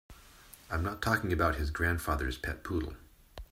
I'm not talking about his grandfather's pet poodle.